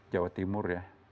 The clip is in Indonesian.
jawa timur ya